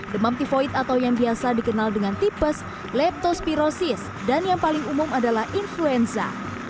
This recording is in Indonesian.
demam tivoid atau yang biasa dikenal dengan tipes leptospirosis dan yang paling umum adalah influenza